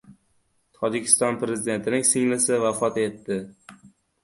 Tojikiston Prezidentining singlisi vafot etdi